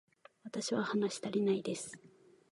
私は話したりないです